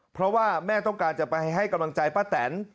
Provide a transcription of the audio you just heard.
เพราะว่าแม่ต้องการจะไปให้กำลังใจป้าแตน